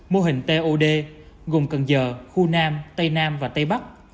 mô hình tod gồm cần giờ khu nam tây nam và tây bắc